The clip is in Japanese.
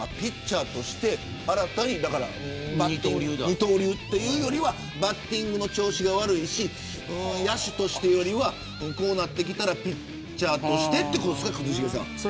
二刀流というよりにはバッティングの調子が悪いし野手としてよりはこうなってきたらピッチャーとしてということですか、一茂さん。